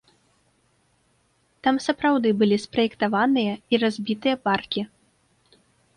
Там сапраўды былі спраектаваныя і разбітыя паркі.